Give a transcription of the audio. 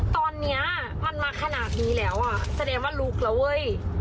ตอนนี้มันมาขนาดนี้แล้วอ่ะแสดงว่าลุกแล้วเว้ย